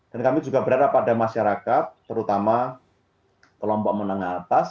dan kami juga berharap pada masyarakat terutama kelompok menengah atas